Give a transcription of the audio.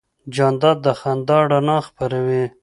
جانداد د خندا رڼا خپروي.